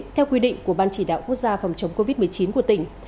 theo quy định của ban chỉ đạo quốc gia phòng chống covid một mươi chín của tỉnh